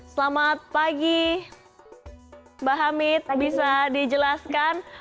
selamat pagi mbak hamid bisa dijelaskan